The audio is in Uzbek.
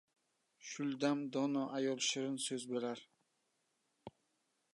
Shul dam dono ayol, shirin so‘z bo‘lar